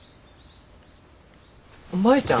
舞ちゃん。